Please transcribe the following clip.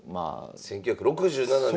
１９６７年。